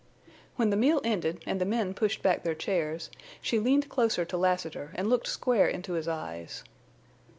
When the meal ended, and the men pushed back their chairs, she leaned closer to Lassiter and looked square into his eyes.